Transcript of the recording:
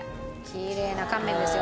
きれいな乾麺ですよ。